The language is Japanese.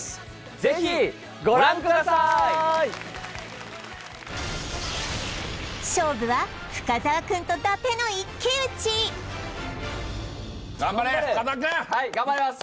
ぜひご覧くださーい勝負は深澤くんと伊達の頑張れ深澤くんはい頑張ります